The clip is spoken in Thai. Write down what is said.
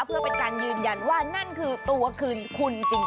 เพื่อเป็นการยืนยันว่านั่นคือตัวคืนคุณจริง